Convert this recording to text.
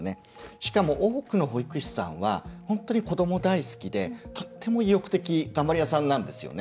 しかも多くの保育士さんは本当に子ども大好きで頑張り屋さんなんですよね。